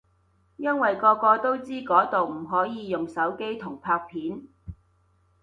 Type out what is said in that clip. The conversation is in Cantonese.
因為個個都知嗰度唔可以用手機同拍片